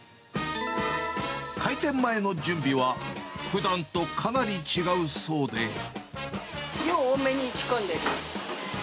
開店前の準備は、量多めに仕込んでる。